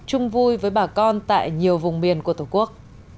chung vui với bà con tại nhiều vùng miền của tổ quốc